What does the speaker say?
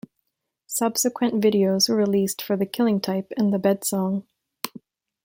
Subsequent videos were released for "The Killing Type" and "The Bed Song".